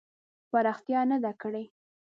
پراختیا نه ده کړې.